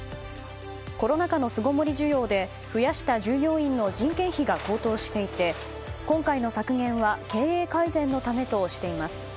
コロナ禍の巣ごもり需要で増やした従業員の人件費が高騰していて今回の削減は経営改善のためとしています。